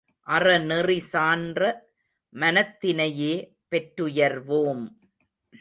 அறநெறி சான்ற மனத்தினையே பெற்றுயர்வோம்!